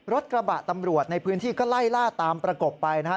รถกระบะตำรวจในพื้นที่ก็ไล่ล่าตามประกบไปนะครับ